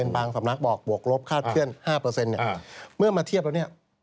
บางสำนักบอกบวกลบคาดเคลื่อน๕เนี่ยเมื่อมาเทียบแล้วเนี่ย